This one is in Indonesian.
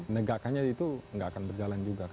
negakannya itu nggak akan berjalan juga